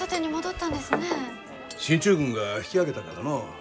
進駐軍が引き揚げたからのう。